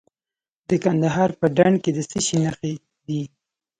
د کندهار په ډنډ کې د څه شي نښې دي؟